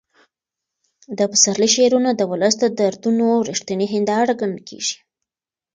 د پسرلي شعرونه د ولس د دردونو رښتینې هنداره ګڼل کېږي.